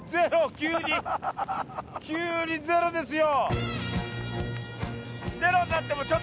急にゼロですよ。